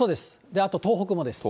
あと東北もです。